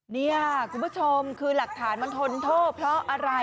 นี่คุณผู้ชมคือหลักฐานมันทนโทษเพราะอะไร